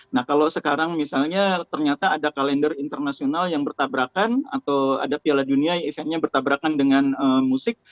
nah kalau sekarang misalnya ternyata ada kalender internasional yang bertabrakan atau ada piala dunia yang eventnya bertabrakan dengan musik